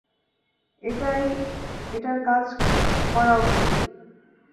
এটার কাজ করা উচিত।